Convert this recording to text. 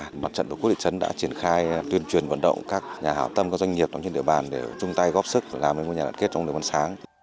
đoạn trận của quốc lị trấn đã triển khai tuyên truyền vận động các nhà hào tâm các doanh nghiệp trong những địa bàn để chung tay góp sức làm một nhà đoạn kết trong đời văn sáng